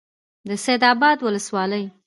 د سید آباد ولسوالۍ